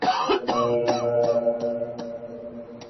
তিনি El Salvador ত্যাগের সিদ্ধান্ত নেন।